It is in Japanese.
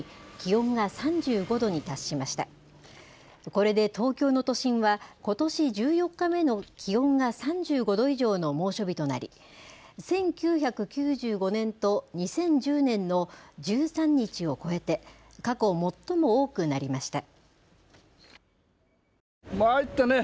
これで東京の都心はことし１４日目の気温が３５度以上の猛暑日となり１９９５年と２０１０年の１３日を超えて過去最も多くなりました。